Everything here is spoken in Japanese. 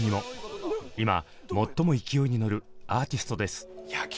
今最も勢いに乗るアーティストです。